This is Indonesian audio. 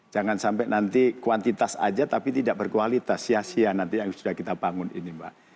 jangan sampai nanti kuantitas aja tapi tidak berkualitas sia sia nanti yang sudah kita bangun ini mbak